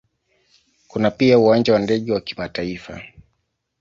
Kuna pia Uwanja wa ndege wa kimataifa.